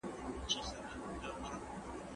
زه هره ورځ سبا ته فکر کوم!!